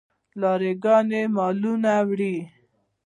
لاری ګانې مالونه وړي.